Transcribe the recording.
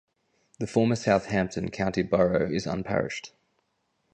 The former Southampton County Borough is unparished.